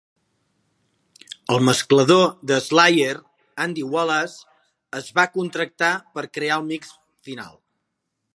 El mesclador de Slayer, Andy Wallace, es va contractar per crear el mix final.